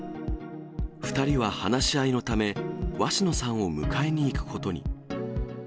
２人は話し合いのため、鷲野さんを迎えに行くことに。